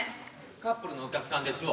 カップルのお客さんですわ。